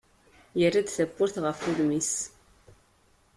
Yerra-d tawwurt ɣef wudem-is.